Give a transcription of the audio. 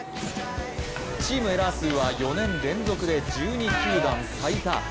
チームエラー数は４年連続で１２球団最多。